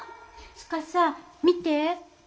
司見て。